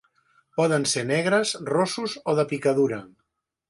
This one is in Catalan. Poden ser negres, rossos o de picadura.